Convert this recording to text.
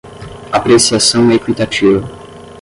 apreciação equitativa